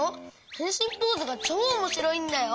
へんしんポーズがちょうおもしろいんだよ。